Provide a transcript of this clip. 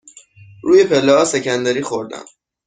روی پله ها سکندری خوردم.